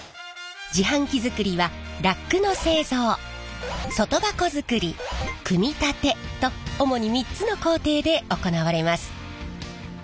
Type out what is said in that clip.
自販機作りはラックの製造外箱作り組み立てと主に３つの工程で行われます。